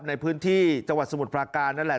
ในพื้นที่จังหวัดสมุทรปราการนั่นแหละ